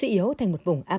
giật cấp chín